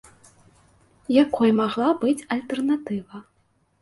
Якой магла быць альтэрнатыва?